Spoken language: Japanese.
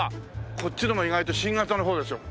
こっちのも意外と新型の方ですよ。